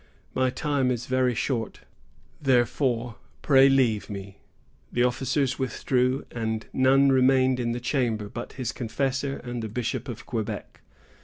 My time is very short; therefore, pray leave me." The officers withdrew, and none remained in the chamber but his confessor and the Bishop of Quebec.